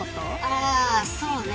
ああ、そうね。